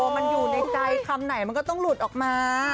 มันอยู่ในใจคำไหนมันก็ต้องหลุดออกมา